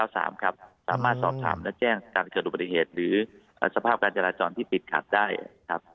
สามารถสอบถามและแจ้งการเกิดอุบัติเหตุหรือสภาพการจราจรที่ติดขัดได้ครับ